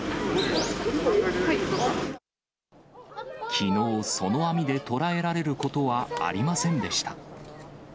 きのう、その網で捕らえられることはありませんでした。